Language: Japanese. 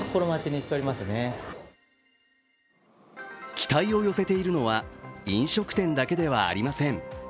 期待を寄せているのは飲食店だけではありません。